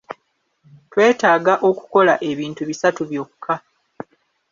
Twetaaga okukola ebintu bisatu byokka.